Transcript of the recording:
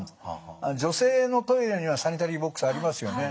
女性のトイレにはサニタリーボックスありますよね。